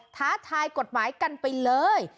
ท้าทายกฎหมายกันไปเลย